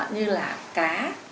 như là cá